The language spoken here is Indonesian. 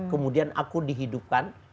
kemudian aku dihidupkan